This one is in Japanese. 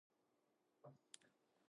不入斗